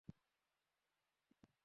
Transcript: বাকিটা আমি সামলে নেব।